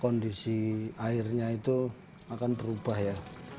kondisi airnya itu akan berubah ya